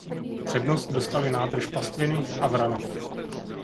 Přednost dostaly nádrž Pastviny a Vranov.